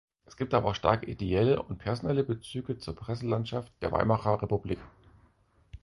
Es gibt aber auch starke ideelle und personelle Bezüge zur Presselandschaft der Weimarer Republik.